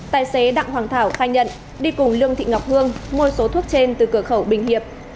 tài xế đặng hoàng thảo khai nhận đi cùng lương thị ngọc hương mua số thuốc trên từ cửa khẩu bình hiệp